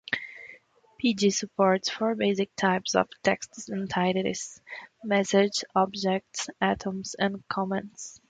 Pd supports four basic types of text entities: messages, objects, atoms, and comments.